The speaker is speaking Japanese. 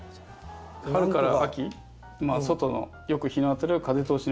春から秋外のよく日の当たる風通しのいい場所で。